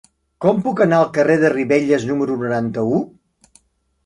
Com puc anar al carrer de Ribelles número noranta-u?